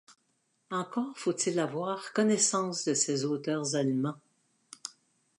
Encore faut-il avoir connaissance de ces auteurs allemands.